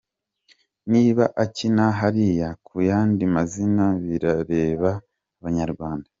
Niba akina hariya ku yandi mazina, birareba abanyarwanda.